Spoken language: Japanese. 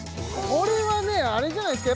これはねあれじゃないですか？